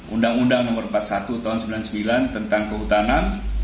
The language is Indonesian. undang undang nomor empat puluh satu tahun seribu sembilan ratus sembilan puluh sembilan tentang kehutanan